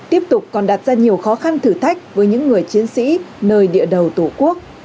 tiếp tục còn đặt ra nhiều khó khăn thử thách với những người chiến sĩ nơi địa đầu tổ quốc